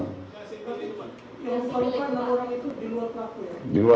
yang kerusakan itu berapa